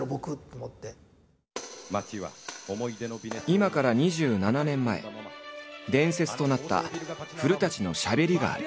今から２７年前伝説となった古のしゃべりがある。